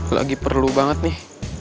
lagi perlu banget nih